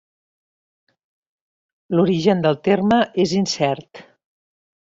L'origen del terme és incert.